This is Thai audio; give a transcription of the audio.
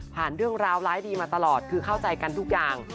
เรื่องราวร้ายดีมาตลอดคือเข้าใจกันทุกอย่าง